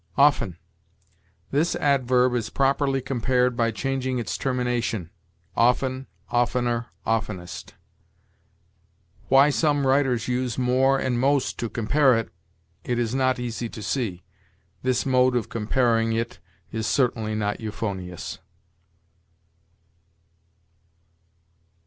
OFTEN. This adverb is properly compared by changing its termination: often, oftener, oftenest. Why some writers use more and most to compare it, it is not easy to see; this mode of comparing it is certainly not euphonious.